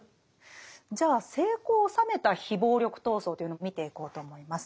じゃあ成功を収めた非暴力闘争というのを見ていこうと思います。